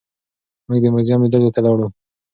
موږ د موزیم لیدلو ته لاړو.